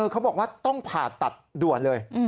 เขาบอกว่าต้องผ่าตัดด่วนเลย